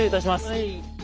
はい。